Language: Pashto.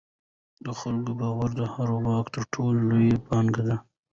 د خلکو باور د هر واک تر ټولو لویه پانګه ده